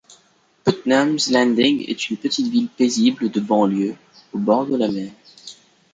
Putnam’s Landing est une petite ville paisible de banlieue au bord de la mer.